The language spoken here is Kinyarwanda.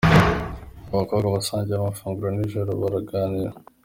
Aba bakobwa basangiye amafunguro ya nijoro baranaganira.